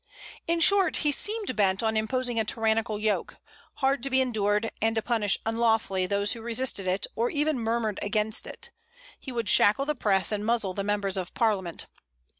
In short, he seemed bent on imposing a tyrannical yoke, hard to be endured, and to punish unlawfully those who resisted it, or even murmured against it. He would shackle the press, and muzzle the members of parliament.